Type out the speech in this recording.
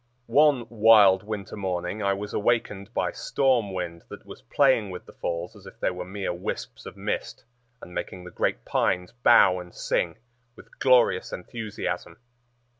One wild winter morning I was awakened by storm wind that was playing with the falls as if they were mere wisps of mist and making the great pines bow and sing with glorious enthusiasm.